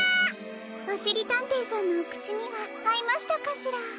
おしりたんていさんのおくちにはあいましたかしら？